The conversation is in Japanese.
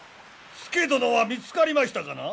佐殿は見つかりましたかな？